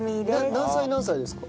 何歳何歳ですか？